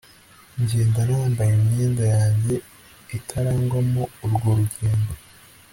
ngenda nambaye imyenda yanjye, itarangwamo urwo rugendo